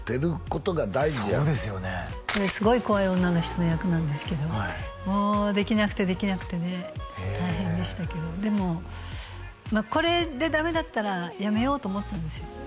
これすごい怖い女の人の役なんですけどもうできなくてできなくてね大変でしたけどでもまあこれでダメだったらやめようと思ってたんですよ